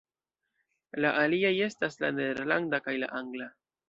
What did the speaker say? La aliaj estas la nederlanda kaj la angla.